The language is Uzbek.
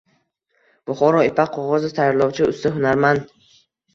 Buxoro ipak qog‘ozi tayyorlovchi usta-hunarmandng